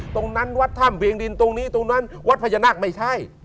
ตรงนั้นวัดธรรมเบียงดินตรงนี้ตรงนั้นวัดพญานาคไม่ใช่